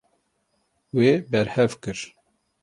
Wê berhev kir.